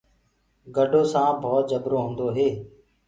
گَڊو سآنپ ڀوت جبرو هوندو هي۔